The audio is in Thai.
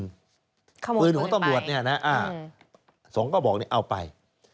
ขโมยปืนไปปืนของตำรวจเนี่ยสองคนก็บอกเอาไป